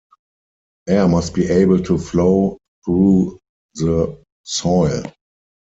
Air must be able to flow through the soil.